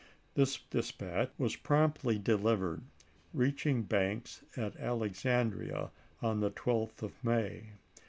This dispatch was promptly delivered, reaching Banks at Alexandria on the 12th of May.